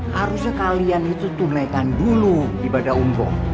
harusnya kalian itu tuh naikkan dulu dibadah umroh